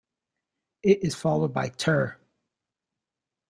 It is followed by Tir.